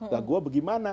nah gue bagaimana